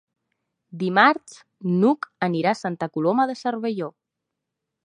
Dimarts n'Hug anirà a Santa Coloma de Cervelló.